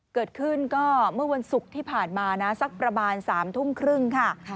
เกิดขึ้นก็เมื่อวันศุกร์ที่ผ่านมานะสักประมาณ๓ทุ่มครึ่งค่ะ